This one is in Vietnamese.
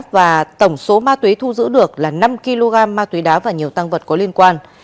và tổng số ma túy thu giữ được là năm kg ma túy đá và nhiều tăng vật có liên quan